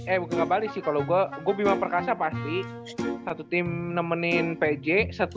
eh bukan kebalik sih kalau gua gua bima perkasa pasti satu tim nemenin pj satu